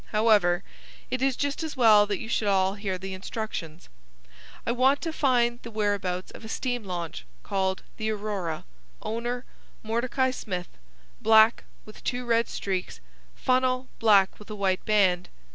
However, it is just as well that you should all hear the instructions. I want to find the whereabouts of a steam launch called the Aurora, owner Mordecai Smith, black with two red streaks, funnel black with a white band.